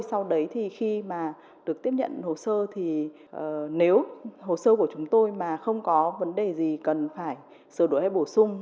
sau đấy thì khi mà được tiếp nhận hồ sơ thì nếu hồ sơ của chúng tôi mà không có vấn đề gì cần phải sửa đổi hay bổ sung